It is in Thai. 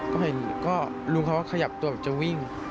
ก็เห็นก็ลุงเขาก็ขยับตัวแบบจะวิ่ง